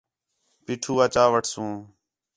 پیٹھو آ چا وٹھسوں